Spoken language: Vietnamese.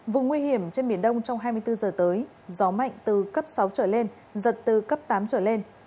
vùng nguy hiểm trên biển đông trong hai mươi bốn giờ tới gió mạnh từ cấp sáu trở lên giật từ cấp tám trở lên